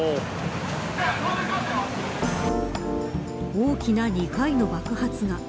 大きな２回の爆発が。